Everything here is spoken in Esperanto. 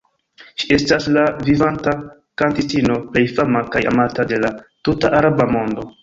Ŝi estas la vivanta kantistino plej fama kaj amata de la tuta Araba mondo.